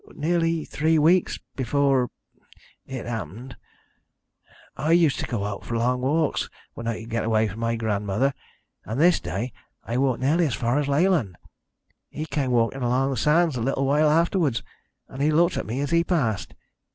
"Nearly three weeks before it happened. I used to go out for long walks, when I could get away from grandmother, and this day I walked nearly as far as Leyland. He came walking along the sands a little while afterwards, and he looked at me as he passed.